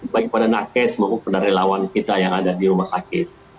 baik pada nakes maupun pada relawan kita yang ada di rumah sakit